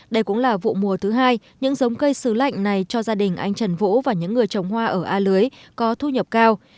đây cũng là vụ mùa thứ hai những giống cây sứ lạnh này cho gia đình anh trần vũ và những người trồng hoa ở a lưới có thu nhập cao